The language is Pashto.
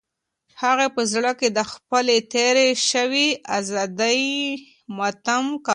هغې په زړه کې د خپلې تېرې شوې ازادۍ ماتم کاوه.